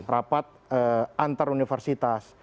rapat antar universitas